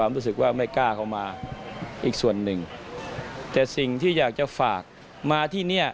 แต่สิ่งที่อยากจะฝากมาที่นี่